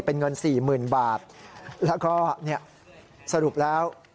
เป็นเงินสี่หมื่นบาทแล้วก็สรุปแล้ว